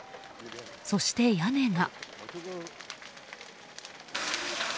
そして、屋根が。